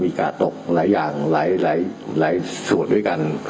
กาดตกหลายอย่างหลายส่วนด้วยกัน